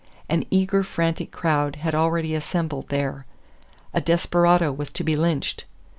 An eager, frantic crowd had already assembled there a desperado was to be lynched!